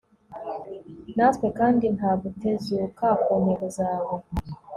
natwe kandi ntagutezuka kuntego zawe